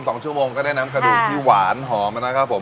สองชั่วโมงก็ได้น้ำกระดูกที่หวานหอมนะครับผม